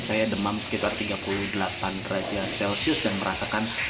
saya demam sekitar tiga puluh delapan derajat celcius dan merasakan